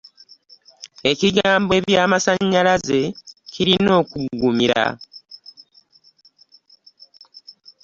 Ekigambo ebyamasannyalaze kirina okuggumira.